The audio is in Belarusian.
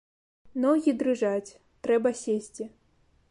Ногі дрыжаць, трэба сесці.